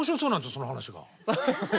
その話が。